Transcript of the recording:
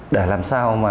để làm sao